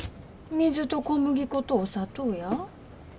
水と小麦粉とお砂糖や。